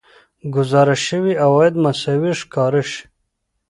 ګزارش شوي عواید مساوي ښکاره شي